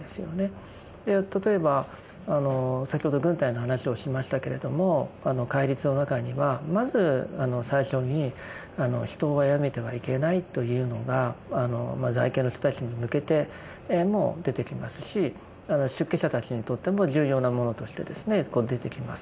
例えば先ほど軍隊の話をしましたけれども戒律の中にはまず最初に「人を殺めてはいけない」というのが在家の人たちに向けても出てきますし出家者たちにとっても重要なものとして出てきます。